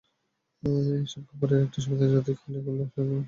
এসব খাবারের আরেকটি সুবিধাজনক দিক হলো, এগুলো সহজলভ্য এবং দামও কম।